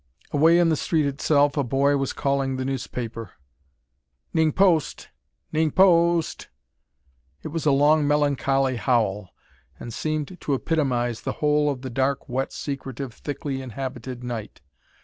Away in the street itself, a boy was calling the newspaper: " 'NING POST! 'NING PO O ST!" It was a long, melancholy howl, and seemed to epitomise the whole of the dark, wet, secretive, thickly inhabited night.